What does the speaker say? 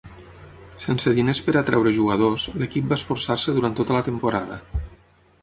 Sense diners per atreure jugadors, l'equip va esforçar-se durant tota la temporada.